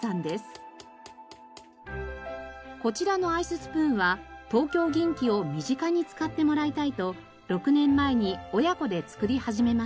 こちらのアイススプーンは東京銀器を身近に使ってもらいたいと６年前に親子で作り始めました。